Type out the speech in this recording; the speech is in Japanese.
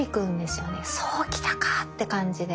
そうきたかって感じで。